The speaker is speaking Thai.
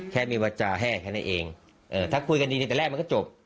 แค่มีวาจาแห้งแค่นั้นเองถ้าคุยกันดีในแต่แรกมันก็จบ